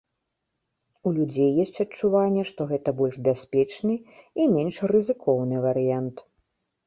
У людзей ёсць адчуванне, што гэта больш бяспечны і менш рызыкоўны варыянт.